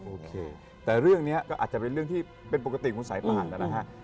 โอเคแต่เรื่องนี้ก็อาจจะเป็นเรื่องที่เป็นปกติของสายป่านนะฮะ